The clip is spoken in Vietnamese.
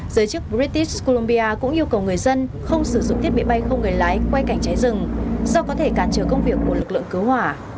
giới chức britis columbia cũng yêu cầu người dân không sử dụng thiết bị bay không người lái quay cảnh cháy rừng do có thể cản trở công việc của lực lượng cứu hỏa